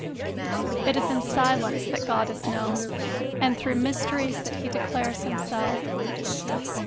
It is in silence that God is known, and through mysteries that He declares Himself.